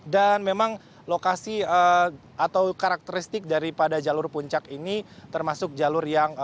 dan memang lokasi atau karakteristik daripada jalur puncak ini termasuk jalur yang